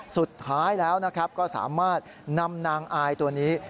สุดท้ายแล้วนะครับก็สามารถนำนางอายตัวนี้